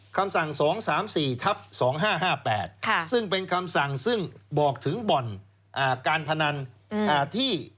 คำสั่ง๒๓๔ทับ๒๕๕๘ซึ่งเป็นคำสั่งซึ่งบอกถึงบ่อนการพนันที่